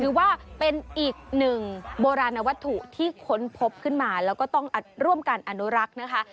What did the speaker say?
ถือว่าเป็นอีกหนึ่งโบราณวัตถุที่ค้นพบขึ้นมาแล้วก็ต้องร่วมกันอนุรักษ์นะคะ